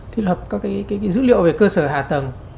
thiết lập các dữ liệu về cơ sở hạ tầng